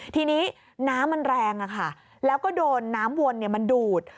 ทีนี้น้ำมันแรงแล้วก็โดนน้ำวนมันดูด